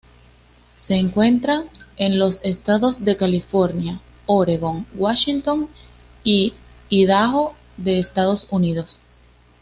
Se encuentra en los estados de California, Oregon, Washington y Idaho de Estados Unidos.